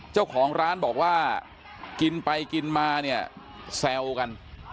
เจ้าของร้านบอกว่ากินไปกินมาเนี่ยแซวกัน